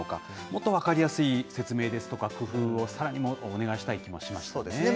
もっと分かりやすい説明ですとか、工夫をさらにもっとお願いしたいそうですね。